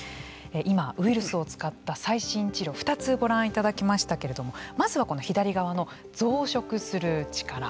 今、ウイルスを使った最新治療を２つご覧いただきましたけれどもまずは左側の増殖する力。